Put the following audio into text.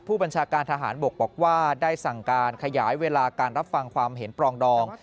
ผู้บัญชาการทหารบกบอกว่าได้สั่งการขยายเวลาการรับฟังความเห็นปรองดอง